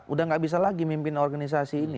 sudah tidak bisa lagi memimpin organisasi ini